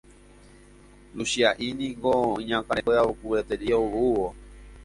Luchia'i niko iñakãraguevukueterei oúvo